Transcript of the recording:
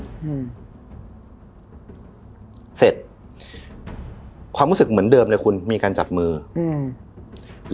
อืมเสร็จความรู้สึกเหมือนเดิมเลยคุณมีการจับมืออืม